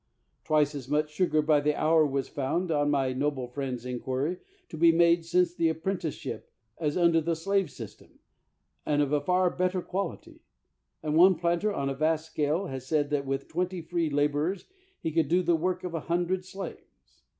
Twice as much sugar by the hour was found, on my noble friend's inquiry, to be made since the apprenticeship, as under the slave system, and of a far better quality; and one planter on a vast scale has said that with twenty free laborers he could do the work of a hundred slaves.